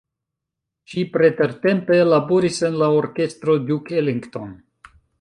Ŝi pretertempe laboris en la Orkestro Duke Ellington.